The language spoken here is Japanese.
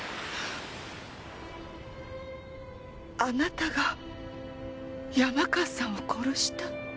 あなたが山川さんを殺した？